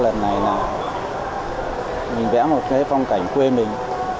lần này là mình vẽ một cái phong cảnh quê mình